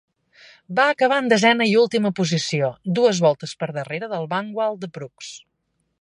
Va acabar en desena i última posició, dues voltes per darrere del Vanwall de Brooks.